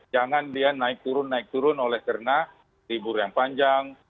jangan dia naik turun naik turun oleh karena libur yang panjang